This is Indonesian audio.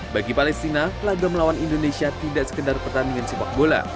bagi palestina laga melawan indonesia tidak sekedar pertandingan sepak bola